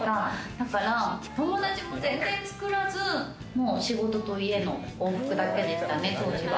だから、友達も全然つくらず仕事と家の往復だけでしたね。